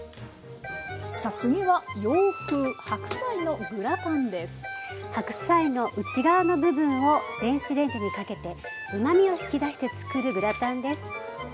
さあ次は洋風白菜の内側の部分を電子レンジにかけてうまみを引き出してつくるグラタンです。